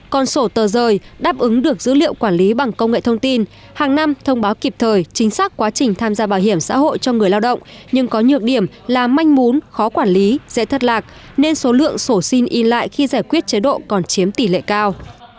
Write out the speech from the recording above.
còn sổ tờ rời đáp ứng được dữ liệu quản lý bằng công nghệ thông tin hàng năm thông báo kịp thời chính xác quá trình tham gia bảo hiểm xã hội cho người lao động nhưng có nhược điểm là manh mún khó quản lý dễ thất lạc nên số lượng sổ xin ý lại khi giải quyết chế độ còn chiếm tỷ lệ cao